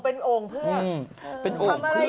เป็นโอ่งเพื่อก